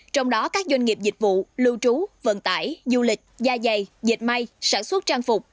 trong đó các doanh nghiệp dịch vụ lưu trú vận tải du lịch da dày dịch may sản xuất trang phục